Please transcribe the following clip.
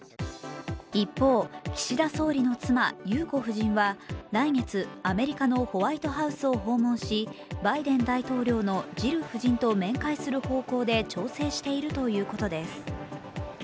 一方、岸田総理の妻・裕子夫人は来月、アメリカのホワイトハウスを訪問し、バイデン大統領のジル夫人と面会する方向で調整しているということです。